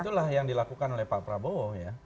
ya itulah yang dilakukan oleh pak prabowo